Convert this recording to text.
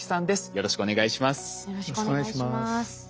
よろしくお願いします。